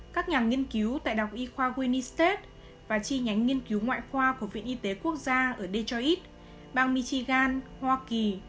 các nhà nghiên cứu tại đọc y khoa winni state và chi nhánh nghiên cứu ngoại khoa của viện y tế quốc gia ở detroit bang michigan hoa kỳ